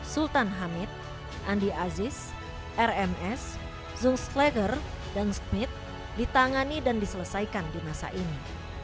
sultan hamid andi aziz rms zoom slagar dan smith ditangani dan diselesaikan di masa ini